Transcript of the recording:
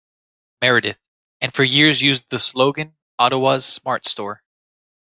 Meredith, and for years used the slogan "Ottawa's Smart Store".